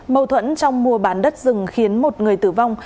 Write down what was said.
mâu thuẫn trong mua bán đất rừng khiến một người tử vong